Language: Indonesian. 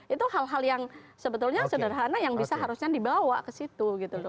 itu hal hal yang sebetulnya sederhana yang bisa harusnya dibawa ke situ gitu loh